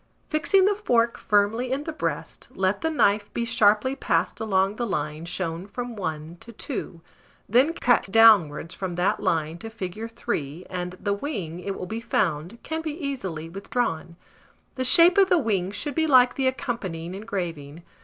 Fixing the fork firmly in the breast, let the knife be sharply passed along the line shown from 1 to 2; then cut downwards from that line to fig. 3; and the wing, it will be found, can be easily withdrawn. The shape of the wing should be like the accompanying engraving.